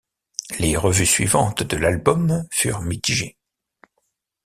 Les revues suivantes de l'album furent mitigées.